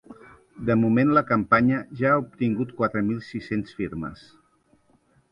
De moment la campanya ja ha obtingut quatre mil sis-cents firmes.